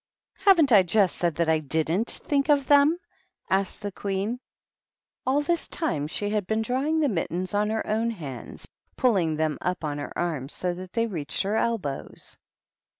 "Haven't I just said that I didnH think of them?" asked the Queen. All this time she had been drawing the mittens on her own hands, pulling them up on her arms so that they reached her elbows.